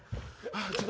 あっ！